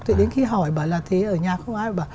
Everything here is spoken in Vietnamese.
thì đến khi hỏi bà là thế ở nhà không ai